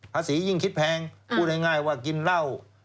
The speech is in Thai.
ยิ่งคิดแพงพูดง่ายว่ากินเหล้า